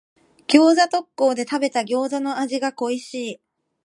餃子特講で食べた餃子の味が恋しい。